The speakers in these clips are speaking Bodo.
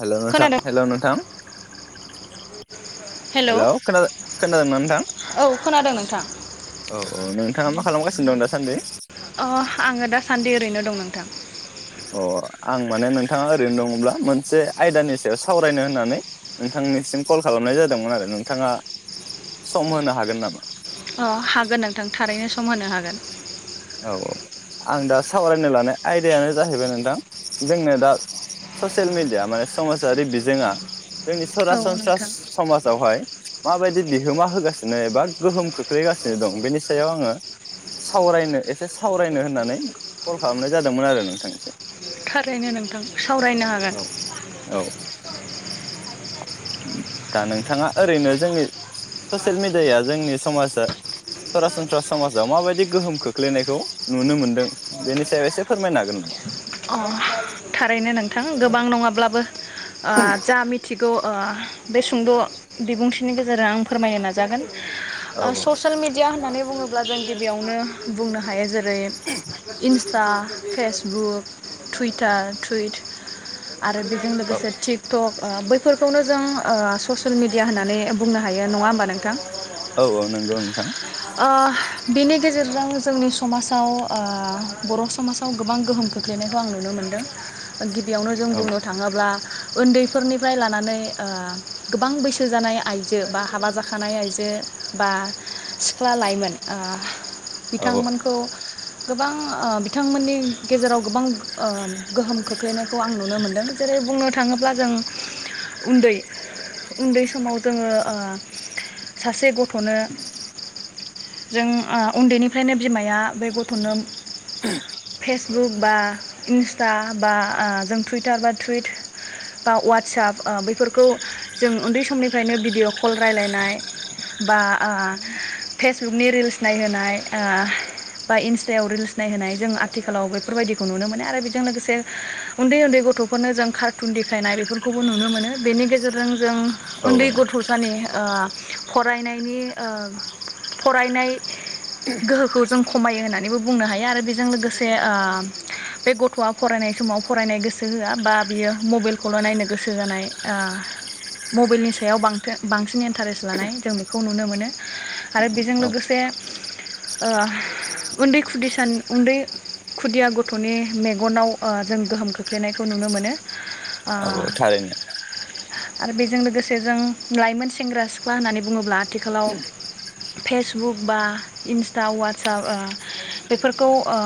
हेल' नोंथां खोनादों हेल' नोंथां हेलौ औ हेल'खोनादों खोनादों ना नोंथां थां औ औ नोंथाङा मा खालामगासिनो दं दासान्दि? अ आङो दासान्दि ओरैनो दं नोंथां। अ आं माने नोंथाङा ओरैनो दङब्ला मोनसे आयदानि सायाव सावरायनो होननानै नोंथांनिसिम कल खालामनाय जादोंमोन आरो नोंथाङा सम होनो हागोन नामा? थां थारैनो सम होनो हागोन। औ आं दा सावरायनो लानाय आयदायानो जाहैबाय नोंथां जोंनो दा ससियेल मिडिया माने समाजारि बिजोङा जोंनि औ सरासनस्रा नोंथां समाज बेववहाय माबायदि बिहोमा होगासिनो एबा गोहोम खोख्लैगासिनो दं बेनि सायाव आङो सावरायनो एसे सावरायनो होननानै कल खालामनाय जादोंमोन आरो नोंथां इसे थारैनो नोंथां। सावरायनो हागोन औ औ दा नोंथाङा ओरैनो जोंनि ससियेल मिडियाया जोंनि समाजा सरासनस्रा समाजाव माबायदि गोहोम खोख्लैनायखौ नुनो मोनदों बेनि सायाव एसे फोरमायनो हागोन नामा? अ थारैनो नोंथां गोबां नङाब्लाबो आ जा मिथिगौ ओ बे सुंद' बिबुंथिनि गेजेरजों आं फोरमायनो नाजागोन। औ ओ ससियेल मिडिया होननानै बुङोब ब्ला जों गिबियावनो बुंनो हायो जे रै इनस्टा फेसबुक, थुइटार टुइट आरो बेजों औ लोगोसे थिकटक ओ बैफोरखौनो जों ओ ससियेल मिडिया होननानै बुंनो हायो नङा ओमबा नोंथां? औ औ नोंगौ नोंथां। ओ बिनि गेजेरजों जोंनि समाजाव ओ बर' समाजाव गोबां गोहोम खोख्लैनायखौ आं नुनो मोनदों। गिबियावनो जों औ बुंनो थाङोब्ला ओन्दैफोरनिफ्राय लानानै ओ गोबां बैसो जानाय आइज जो बा हाबा जाखानाय आइजो बा ख्ला लाइमोन ओ औ बिथांमोनखौ गोबां ओ बिथांमोननि गेजेराव गोबां ओ गोहोम खोख्लैनायखौ आं नुनो मोनदों जेरै बुंनो थाङोब्ला जों उन्दै उन्दै समाव जोङो ओ सासे गथ'नो जों ओ उन्दैनिफ्रायनो बिमाया बे गथ'नो [unintelligible] फेसबुक बा इनस्टा बा ओ जों टुइटार बा टुइट बा वाटसाप ओ बेफोरखौ जों उन्दै समनिफ्रायनो भिडिअ' कल रायलायनाय बा ओ फेसबुकनि रिल्स नायहोनाय ओ बा इनस्टायाव रिल्स नायहोनाय जों आथिखालाव बेफोरबायदिखौ नुनो मोनो आरो बेजों लोगोसे उन्दै उन्दै गथ'फोरनो जों कार्थुन देखायनाय बेफोरखौबो नुनो मोनो बेनि गेजेरजों जों औ उन्दै गथ'सानि ओ फरायनायनि ओ फरायनाय गोहोखौ जों खमायो होननानैबो बुंनो हायो आरो बेजों लोगोसे ओ बे गथ'आ फरायनाय समाव फरायनाय गोसो होआ बा बियो मबेलखौल' नायनो गोसो जानाय ओ मबेलनि सायाव बांथो बांसिन इन्टारेस लानाय जों बेखौ नुनो मोनो। आरो बेजों लोगोसे ओ उन्दै खुदिसान उन्दै खुदिया गथ'नि मेगनाव ओ जों गोहोम खोख्लैनायखौ नुनो मोनो। ओ औ थारैनो आरो बेजों लोगोसे जों लाइमोन सेंग्रा सिख्ला होननानै बुङोब्ला आथिखालाव। फेसबुक बा इन्स्टा वाटसाब ओ बेफोरखौ ओ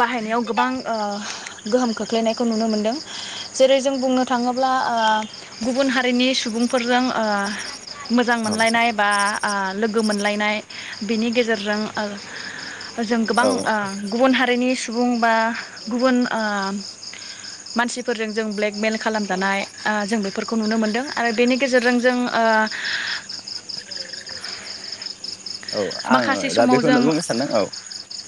बाहायनायाव गोबां ओ गोहोम खोख्लैनायखौ नुनो मोनदों जेरै जों बुंनो थाङोब्ला ओ गुबुन हारिनि सुबुंफोरजों ओ मोजां औ मोनलायनाय बा ओ लोगो मोनलायनाय बिनि गेजेरजों ओ जों गोबां औ ओ गुबुन हार रिनि सुबुं बा गुबुन ओ मानसिफोरजों जों ब्लेकमेल खालामजानाय ओ जों बेफोरखौ नुनो मोनदों आरो बेनि गेजेरजों जों ओ औ आङो माखासे दा समाव बेखौनो जों बुंनो सान्दों औ।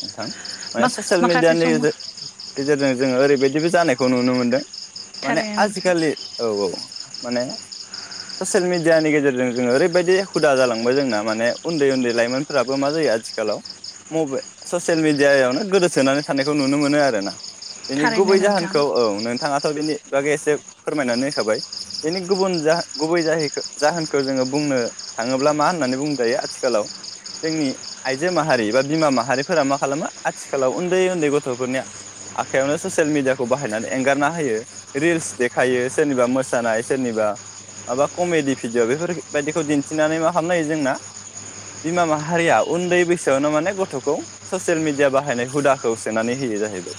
ओथां माने सचेल माखासे मिडियानि सम गेजेर-गेजेरजों जोङो ओरैबायदि जेबो जानायखौ नुनो मोनदों। माने थारैनो नोंथां आजिकालि औ औ। माने सचेल मिडियानि गेजेरजों जोङो ओरैबायदि हुदा जालांबाय जोंना माने उन्दै उन्दै लाइमोन। फोराबो मा जायो आथिखालाव मबे ससेल मिडियायावनो गोदोसोनानै थानायखौ नुनो मोनो आरो ना। बेनि थारैनो गुबै नोंथां जाहोनखौ औ नोंथाङाथ' बिनि। बागै एसे फोरमायनानै होखाबाय बिनि गुबुन जाह गुबै जाहैखो-जाहोनखो जोङो बुंनो थाङोब्ला मा होननानै बुंजायो आथिखालाव। जोंनि आइजो माहारि बा बिमा माहारिफोरा मा खालामो आथिखालाव उन्दै उन्दै गथ'फोरनि आखाइयावनो सचेल मिडियाखौ बाहायनानै एंगारना होयो रिल्स देखायो सोरनिबा मोसानाय सोरनिबा माबा कमेडि भिडिअ बेफोरबायायदिखौ दिन्थिनानै मा खालामना हायो जोंना। बिमा माहारिया उन्दै बैसोआवनो माने गथ'खौ सचेल मिडिया बाहायनाय हुदाखौ सोनानै होयो जाहैबाय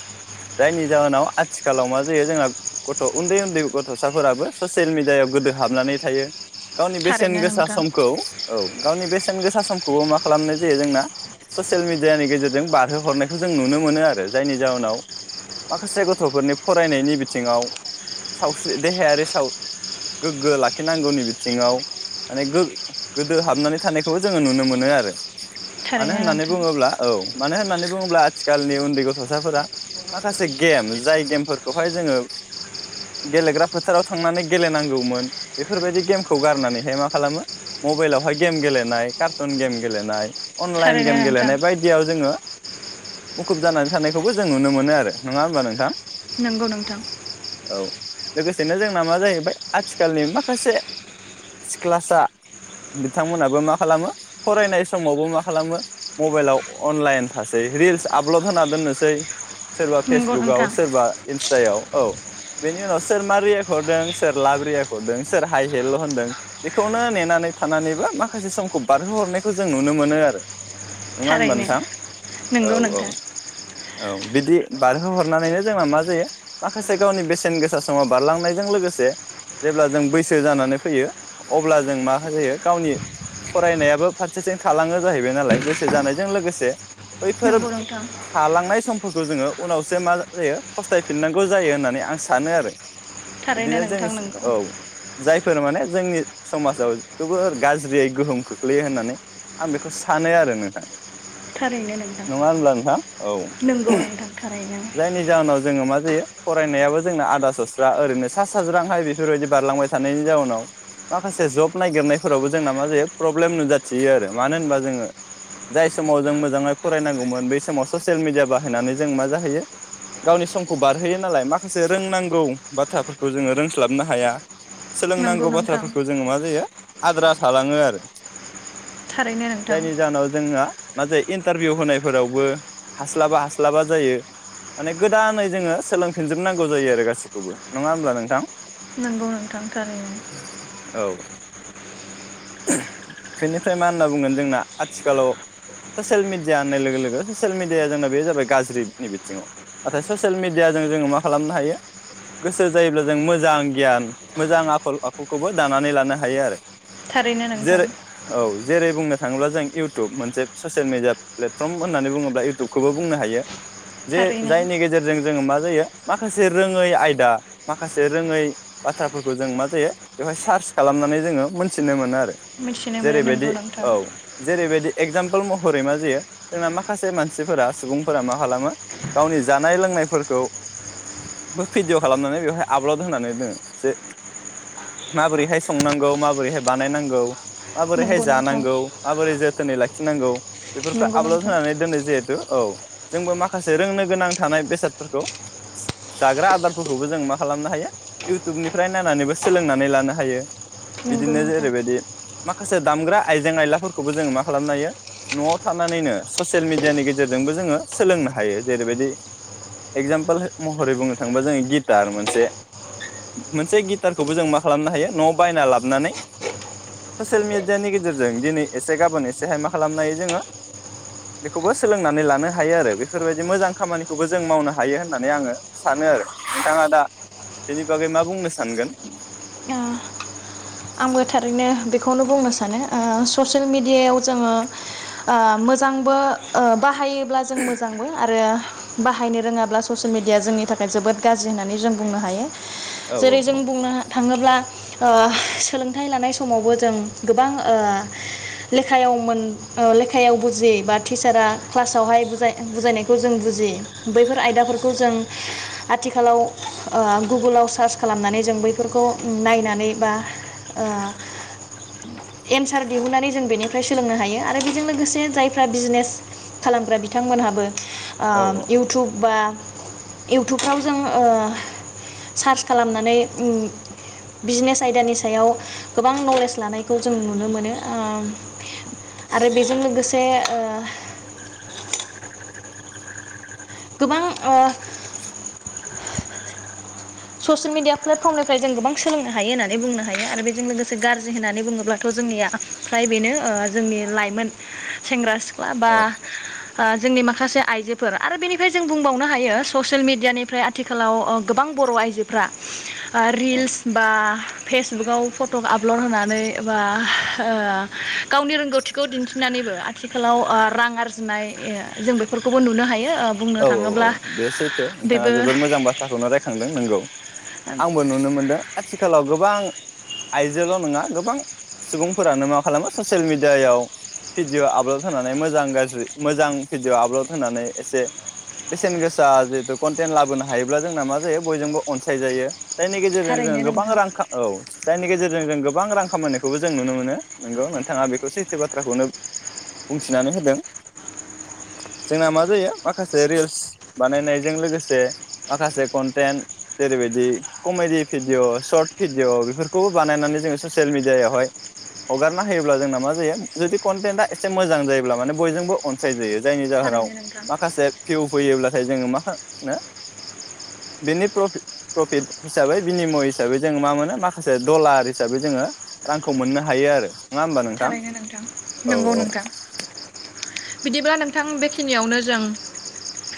जायनि जाहोनाव आथिखालाव मा जायो जोङा गथ' उन्दै उन्दै गथ'साफोराबो सचेल मिडियायाव गोदो हाबनानै थायो। गावनि बेसेन थारैनो गोसा नोंथां समखौ औ गावनि बेसेन गोसा। खौबो मा खालामनाय जायो जोंना सचेल मिडियानि गेजेरजों बारहोहरनायखौ जों नुनो मोनो आरो जायनि जाहोनाव माखासे गथ'फोरनि फरायनायनि बिथिङाव सावस्रि देहायारि साव गोग्गो लाखिनांगौनि बिथिङाव माने गो-गोदो हाबनानै थानायखौबो जों। जोङो नुनो मोनो आरो। मानो थारैनो होननानै नोंथां बुङोब्ला औ। मानो होननानै बुङोब्ला आथिखालनि उन्दै गथ'साफोरा माखासे गेम जाय गेमफोरखौहाय जोङो गेलेग्रा फोथाराव थांनानै गेलेनांगौमोन बेफोरबायदि गेमखौ गारनानैहाय मा खालामो मबेइलावहाय गेम गेलेनाय। कार्टुन गेम गेलेनाय। अनलाइन थारैनो गेम नोंथां गेलेनाय बायदियाव जोङो। मुखुब जानानै थानायखौबो जों नुनो मोनो आरो नङा होमबा नोंथां। नोंगौ नोंथां। औ लोगोसेनो जोंना मा जाहैबाय आथिखालनि माखासे सिख्लासा बिथांमोनाबो मा खालामो। फरायनाय समावबो मा खालामो मबाइलाव अ-अनलाइन थासै रिल्स आपल'ड होना दोननोसै। सोरबा नंगौ फेसबुकाव नोंथां सोरबा इन्स जायाव औ बेनि उनाव सोर मा रियेक हरदों सोर लाब रियेक हरदों सोर हाइ हेल' होनदों बेखौनो नेनानै थानानैबो माखासे समखौ। बारहोहरनायखौ जों नुनो मोनो आरो। नङा होनबा थारैनो नोंथां औ नोंगौ औ नोंथां। औ बिदि बारहोहरनानैनो जोंना मा जायो माखासे गावनि बेसेन गोसा समा बारलांनायजों लोगोसे जेब्ला जों बैसो जानानै फैयो अब्ला जों मा जायो गावनि। फरायनायाबो फारसेथिं थालाङो जाहैबाय नालाय बैसो जानायजों लोगोसे। बैफोरोब नंगौ नोंथां थालांनाय सम। फोरखौ जोङो उनावसो मा जायो फस्थायफिननांगौ जायो होननानै आं सानो आरो। थारैनो बिदिनो नोंथां जोङिस नंगौ औ जाय फोर माने जोंनि समाजाव जोबोर गाज्रियै गोहोम। खोख्लैयो होननानै आं बेखौ सानो आरो नोंथां। थारैनो नोंथां नङा होनब्ला नोंथां औ नंगौ नोंथां थारैनो जायनि जाहोनाव जोङो मा जायो। फरायनायाबो जोंना आदा सस्रा ओरैनो सा सााज्रांहाय बेफोरबायदि बारलांबाय थानायनि जाउनाव माखासे जब नायगिरनायफोरावबो जोंना मा जायो प्रब्लेम नुजाथियो आरो मानो होनबा जोङो जाय समाव जों मोजाङै फरायनांगौमोन बै समाव ससियेल मिडिया बाहायनानै जों मा जाहैयो गावनि समखौ बारहोयो नालाय माखासे रोंनांगौ बाथ्राफोरखौ जोङो रोंस्लाबनो हाया नंगौ सोलोंनांगौ नोंथां बाथ्राफोरखौ जोङो मा जायो। आद्रा थालाङो आरो थारैनो नोंथां जायनि जाहोनाव जोंना मा जायो इन्टारभिउ होनायफोरावबो हास्लाबा हास्लाबा जायो माने गोदानै जोङो सोलोंफिनजोबनांगौ जायो आरो गासिखौबो नङा होमब्ला नोंथां नंगौ नोंथां थारैनो [inaudible] बिनिफ्राय मा होनना बुंगोन जोंना आथिखालाव ससियेल मिडिया होननाय लोगो लोगो ससियेल मिडियाया जोंना बे जाबाय गाज्रिनि बिथिङाव नाथाय ससियेल मिडियाजों जोङो मा खालामनो हायो गोसो जायोब्ला जों मोजां गियान मोजां आखल आखुखौबो दानानै लानो हायो आरो थारैनो नोंथां। जेरै औ जेरै बुंनो थाङोब्ला जों इयउटुब मोनसे ससियेल मिडिया प्लेटफर्म होननानै बुङोब्ला इउटुबखौबो बुंनो हायो। जे थारैनो जायनि गेजेरजों जोङो मा जायो माखासे रोङै आयदा माखासे रोङै बाथ्राफोरखौ जों मा जायो बेवहाय सार्स खालामनानै जोङो मोन्थिनो मोनो आरो मिथिनो मोनो जेरैबायदि नंगौ नोंथां औ जेरैबायदि एक्जाम फौ महरै मा जायो जोंना माखासे मानसिफोरा सुबुंफोरा मा खालामो गावनि जानाय लोंनायफोरखौ बो भिडिअ खालामनानै बेवहाय आपलड होनानै दङो जे माबोरैहाय संनांगौ माबोरैहाय बानायनांगौ माबोरैहाय नंगौ नोंथां जानांगौ माबोरै जोथोनै लाख थिननांगौ बेफोरखौ नंगौ आपलड नोंथां होनानै दोनो जिहेथु औ जोंबो माखासे रोंनो गोनां थानाय बेसादफोरखौ जाग्रा आदारफोरखौबो जों मा खालामनो हायो इउटुबनिफ्राय नायनानैबो सोलोंनानै लानो हायो। नंगौ बिदिनो नोंथां जेरैबायदि माखासे दामग्रा आइजें आयलाफोरखौबो जोङो मा खालामनो हायो नआव थानानैनो ससियेल मेडियानि गेजेरजोंबो जोङो सोलोंनो हायो जेरैबायदि एगजामपोल महरै बुंनो थाङोबा जोङो गिटार मोनसे मोनसे गिटारखौबो जों मा खालामनो हायो नआव बायना लाबोनानै ससियेल मिडियानि गेजेरजों दिनै एसे गाबोन एसेहाय मा खालामनो हायो जोङो बेखौबो सोलोंनानै लानो हायो आरो बेफोरबायदि मोजां खामानिखौबो जों मावनो हायो होननानै आङो सानो आरो नोंथाङा दा बेनि बागै मा बुंनो सानगोन आंबो थारैनो बेखौनो बुंनो सानो ओ ससियेल मेडियायाव जोङो ओ मोजांबो ओ बाहायोब्ला जों मोजांबो आरो बाहायनो रोङाब्ला ससियेल मिडिया जोंनि थाखाय जोबोद गाज्रि होननानै जों बुंनो हायो। औ जेरै जों औ बुंनो थाङोब्ला ओ सोलोंथाइ लानाय समावबो जों गोबां ओ लेखायाव मोन ओ लेखायाव बुजियै बा टिचारा क्लासावहाय बुजाय बुजायनायखौ जों बुजियि बैफोर आयदाफोरखौ जों आथिखालाव ओ गुगोलाव सार्च खालामनानै जों बैफोरखौ नायनानै बा ओ एनसार दिहुननानै जों बेनिफ्राय सोलोंनो हायो आरो बेजों लोगोसे जायफ्रा बिजनेस खालामग्रा बिथांमोनहाबो औ आं इउटुब बा इउटुबफ्राव जों ओ सार्च खालामनानै ओम बिजनेस आयदानि सायाव गोबां नलेज लानायखौ जों नुनो मोनो ओ आरो बेजों लोगोसे ओ गोबां ओ ससियेल मिेडिया प्लेटफर्मनिफ्राय जों गोबां सोलोंनो हायो होननानै बुंनो हायो आरो बेजों लोगोसे गाज्रि होननानै बुङोब्लाथ जोंनिया फ्राय बेनो जोंनि लाइमोन सेंग्रा सिख्ला माबा औ जोंनि माखासे आइजोफोर आरो बेनिफ्राय जों बुंबावनो हायो ससियेल मिडियानिफ्राय आथिखालाव गोबां बर' आइजो आजोफ्रा ओ औ रिल्स बा फेसबुगाव फट आपलड होनानै बा गावनि रोंगौथिखौ दिन्थिनानैबो आथिखालाव रां आरजिनाय जों बेफोरखौबो नुनो हायो। ओ बुंनो औ औ औ थाङोब्ला बे सैथो नोंथाङा बेबो जोबोद मोजां बाथ्राखौनो रायखांदों नोंगौ। आंबो नुनो मोनदों आथिखालाव गोबा गोबां आइजोल नङा गोबां सुबुंफोरानो मा खालामो ससियेल मेडियायाव भिडिअ' आपल'ड होनानै मोजां गाज्रि मोजां भिडिअ आपल'ड होनानै एसे बेसेन गोसा जिहेतु कन्टेन्ट लाबोनो हायोब्ला जोंना मा जायो बयजोंबो अनसायजायो। जायनि गेजेरजों जोङो थारैनो गोबां नोंथां रां औ जायनि गेजेरजों जों गोबां रां। खामानिनायखौबो जों नुनो मोनो नोंगौ नोंथाङा बेखौ सैथो बाथ्राखौनो बुंथिनानै होदों जोंना मा जायो। माखासे रिल्स बानायनायजों लोगोसे माखासे कन्टेन्ट जेरैबायदि कमेडि भिडिअ सर्ट भिडिअ बेफोरखौबो बानायनानै जोङो ससियेल मिेडियाायावहाय हगारना होयोब्ला जोंना मा जायो जुदि कनटेन्टआ एसे मोजां जायोब्ला माने बयजोंबो अनसायजायो। जायनि जाहोनाव थारैनो नोंथां। माखासे फिउ फैयोब्लाथाय जोङो मानो बेनि प्रफिट हिसाबै बिनिमय हिसाबै जोङो मा मोनो माखासे दडलार हिसाबै जोङो रांखौ मोननो हायो आरो। थारैनो नोंथां औ नंगौ औ नोंथां। बिदिब्ला नोंथां बेखिनियावनो जों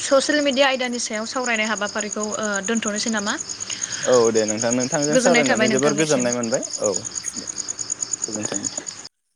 ससियेल मेडिया आयदानि सायाव सावरायनाय हाबाफारिखौ ओ दोन्थनोसै नामा। औ दे नोंथां नोंथांजों गोजोननाय थाबाय सावरायनानै जोबोर नोंथांनिसिम। गोजोननाय मोनबाय औ। गोजोनथों नोंथां।